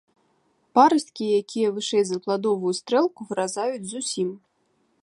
Парасткі, якія вышэй за пладовую стрэлку, выразаюць зусім.